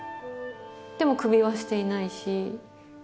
でも首輪していないし。